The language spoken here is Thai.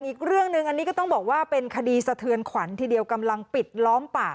อีกเรื่องหนึ่งอันนี้ก็ต้องบอกว่าเป็นคดีสะเทือนขวัญทีเดียวกำลังปิดล้อมป่า